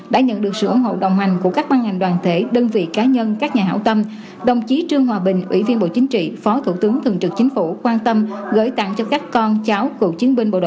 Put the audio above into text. đã nhận được sự ủng hộ đồng hành của các ban ngành đoàn thể